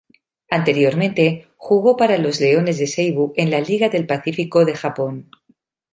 Anteriormente jugó para los Leones de Seibu en la Liga del Pacífico de Japón.